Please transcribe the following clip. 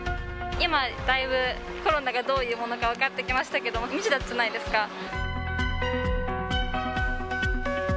今、だいぶコロナがどういうものか分かってきましたけども、未知だったじゃないですか。